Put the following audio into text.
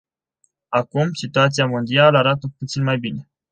Acum, situația mondială arată puțin mai bine.